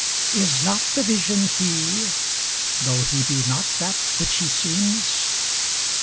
Is not the Vision He? tho' He be not that which He seems?